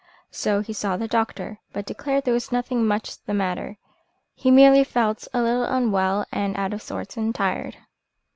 So he saw the doctor, but declared there was nothing much the matter, he merely felt a little unwell and out of sorts and tired.